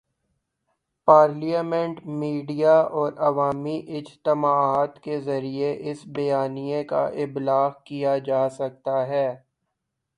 Parliament, media اور عوامی اجتماعات کے ذریعے اس بیانیے کا ابلاغ کیا جا سکتا ہے۔